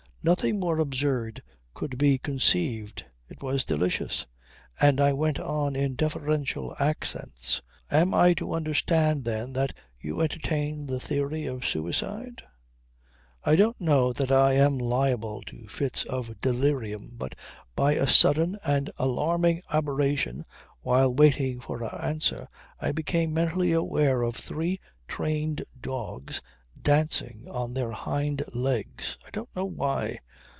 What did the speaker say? Nothing more absurd could be conceived. It was delicious. And I went on in deferential accents: "Am I to understand then that you entertain the theory of suicide?" I don't know that I am liable to fits of delirium but by a sudden and alarming aberration while waiting for her answer I became mentally aware of three trained dogs dancing on their hind legs. I don't know why.